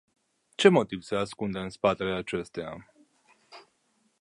Ce motiv se ascunde în spatele acesteia?